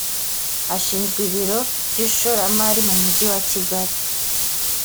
ashinzwe ibiro by’ishoramari mu mujyi wa kigali